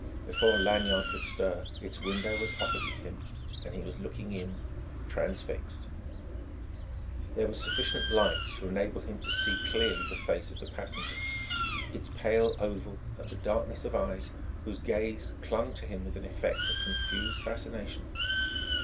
Before Lanyard could stir, its window was opposite him, and he was looking in, transfixed. There was sufficient light to enable him to see clearly the face of the passenger its pale oval and the darkness of eyes whose gaze clung to his with an effect of confused fascination....